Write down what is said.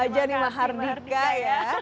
jangan mahar dika ya